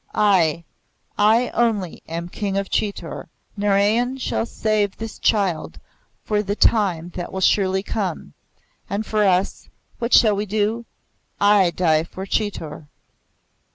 I I only am King of Chitor. Narayan shall save this child for the time that will surely come. And for us what shall we do? I die for Chitor!"